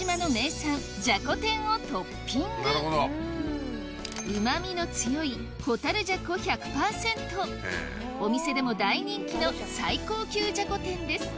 イチオシうま味の強いホタルジャコ１００％お店でも大人気の最高級じゃこ天です